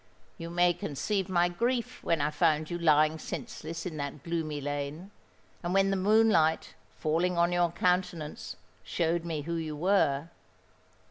You may conceive my grief when I found you lying senseless in that gloomy lane, and when the moonlight, falling on your countenance, showed me who you were.